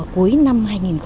cuối năm hai nghìn hai mươi ba